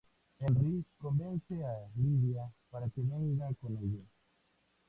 Henry convence a Lydia para que venga con ellos.